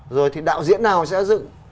rồi thì đạo diễn nào sẽ dựng